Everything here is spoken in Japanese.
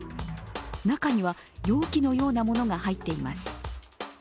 中には容器のようなものが入っています。